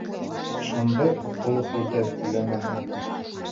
Шундай аҡыллы һүҙҙәр һөйләйһең.